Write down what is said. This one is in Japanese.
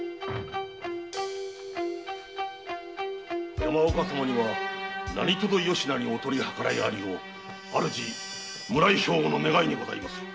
山岡様には何とぞよしなにお取り計らいあるよう主・村井兵庫の願いにございます。